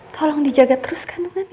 tolong dijaga terus kandungannya